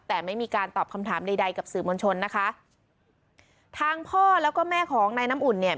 แต่ไม่มีการตอบคำถามใดใดกับสื่อมวลชนนะคะทางพ่อแล้วก็แม่ของนายน้ำอุ่นเนี่ย